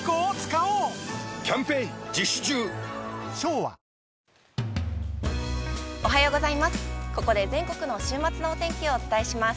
◆おはようございます。